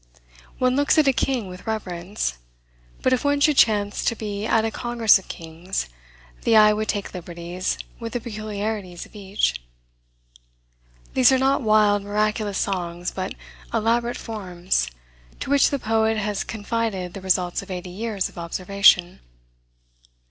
One looks at a king with reverence; but if one should chance to be at a congress of kings, the eye would take liberties with the peculiarities of each. These are not wild miraculous songs, but elaborate forms, to which the poet has confided the results of eighty years of observation.